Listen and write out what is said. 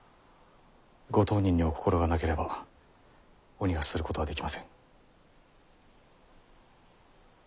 ご当人にお心がなければお逃がしすることはできません。